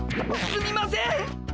すみません！